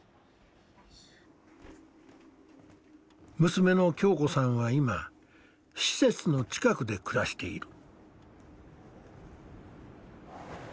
娘の恭子さんは今施設の近くで暮らしている。